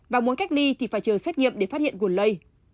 và muốn cách ly thì phải chờ xét nghiệm để phát hiện nguồn lây